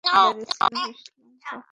দাড়ি ছিল বেশ লম্বা।